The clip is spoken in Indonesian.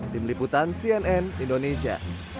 tim liputan cnn indonesia